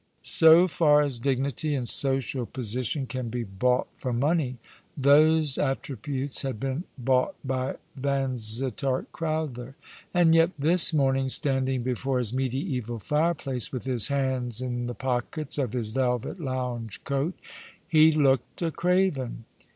So far as dignity and social position can be bought for money, those attributes had been bought by Vansittart Crowther; and yet this morning, standing before his mediaeval fireplace, with his hands in the pockets of his velvet lounge coat, he looked a craven.